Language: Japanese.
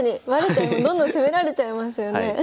どんどん攻められちゃいますよね。